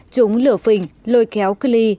chúng lừa phỉnh lôi kéo klee